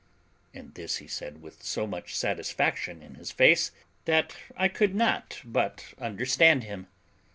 And this he said with so much satisfaction in his face, that I could not but understand him.